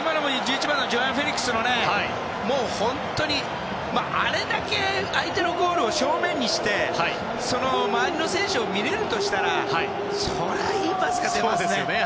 今のも１１番のジョアン・フェリックスの本当に、あれだけ相手のゴールを正面にして周りの選手を見られるとしたらそりゃ、いいパスが出ますよね。